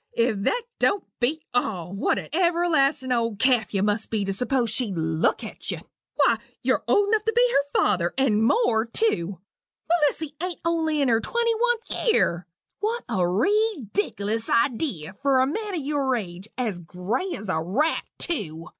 If that don't beat all! What an everlastin' old calf you must be to s'pose she'd look at you. Why, you're old enough to be her father, and more tew Melissy ain't only in her twenty oneth year. What a reedickilous idee for a man o' your age! as gray as a rat, tew!